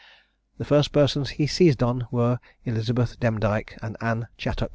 The first persons he seized on, were Elizabeth Demdike and Ann Chattox.